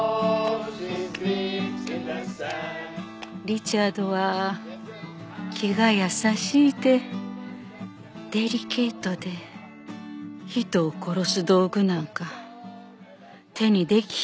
リチャードは気が優しいてデリケートで人を殺す道具なんか手にできひん若者やった。